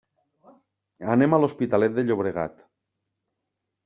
Anem a l'Hospitalet de Llobregat.